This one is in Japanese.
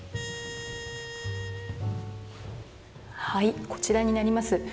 はいこちらになります。